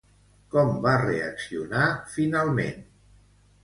Com va reaccionar, finalment?